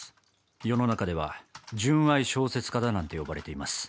世の中で純愛小説家だなんて呼ばれています。